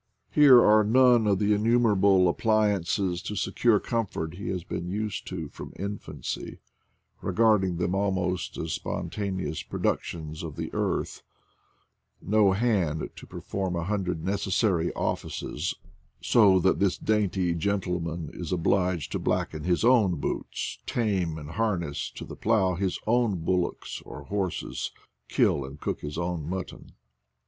Here are none of the innumerable appliances to secure comfort he has been used to from infancy, regarding them almost as spontane ous productions of the earth; no hand to perform a hundred necessary offices, so that this dainty gentleman is obliged to blacken his own boots, tame and harness to the plow his own bullocks or horses, kill and cook his own mutton.